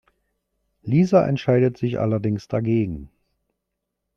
Lisa entscheidet sich allerdings dagegen.